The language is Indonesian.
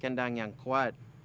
kandang yang kuat